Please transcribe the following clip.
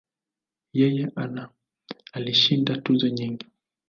Yeye ana alishinda tuzo nyingi.